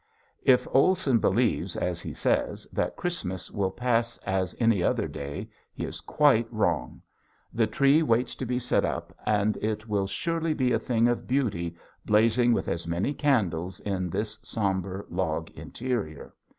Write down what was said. If Olson believes, as he says, that Christmas will pass as any other day he is quite wrong. The tree waits to be set up and it will surely be a thing of beauty blazing with its many candles in this somber log interior.